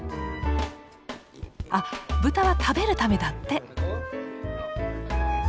あブタは食べるためだって。